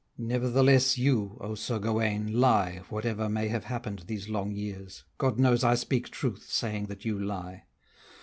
Nevertheless you, O Sir Gauwaine, lie, Whatever may have happen'd these long years, God knows I speak truth, saying that you lie!